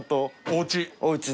おうち！